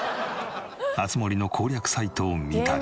『あつ森』の攻略サイトを見たり。